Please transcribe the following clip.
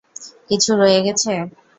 কিছু রয়ে গেছে?